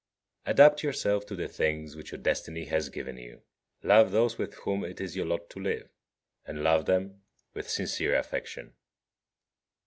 39. Adapt yourself to the things which your destiny has given you: love those with whom it is your lot to live, and love them with sincere affection.